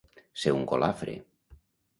Ser un golafre.